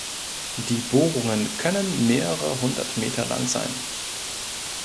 Die Bohrungen können mehrere hundert Meter lang sein.